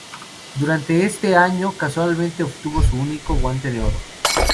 Durante este año, casualmente, obtuvo su único Guante de Oro.